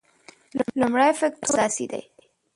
لومړی فکټور اساسي دی.